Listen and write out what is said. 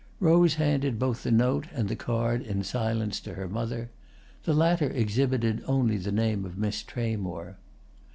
Rose handed both the note and the card in silence to her mother; the latter exhibited only the name of Miss Tramore.